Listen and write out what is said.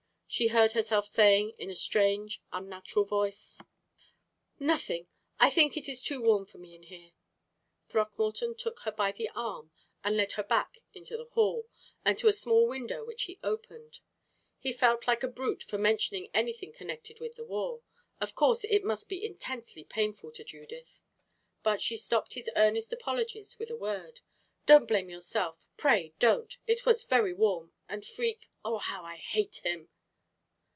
She heard herself saying, in a strange, unnatural voice: "Nothing. I think it is too warm for me in here." Throckmorton took her by the arm and led her back into the hall, and to a small window which he opened. He felt like a brute for mentioning anything connected with the war of course it must be intensely painful to Judith but she stopped his earnest apologies with a word. "Don't blame yourself pray, don't. It was very warm and Freke oh, how I hate him!"